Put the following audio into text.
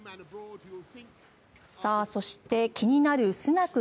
そして、気になるスナク